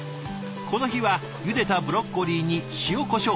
この日はゆでたブロッコリーに塩こしょう